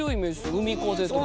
海風とか。